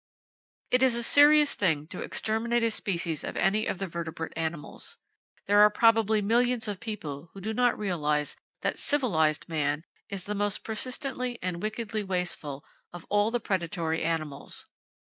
It is a serious thing to exterminate a species of any of the vertebrate animals. There are probably millions of people who do not realize that civilized (!) man is the most persistently and wickedly wasteful of all the predatory animals.